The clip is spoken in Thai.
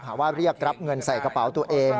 ว่าเรียกรับเงินใส่กระเป๋าตัวเอง